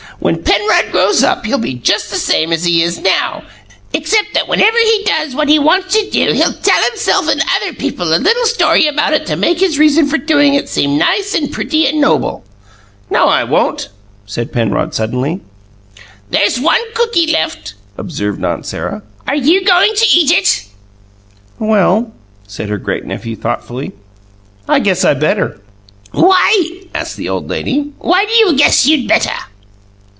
When Penrod grows up he'll be just the same as he is now, except that whenever he does what he wants to do he'll tell himself and other people a little story about it to make his reason for doing it seem nice and pretty and noble." "No, I won't!" said Penrod suddenly. "There's one cookie left," observed Aunt Sarah. "Are you going to eat it?" "Well," said her great nephew, thoughtfully, "I guess I better." "Why?" asked the old lady. "Why do you guess you'd 'better'?"